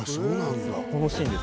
このシーンです。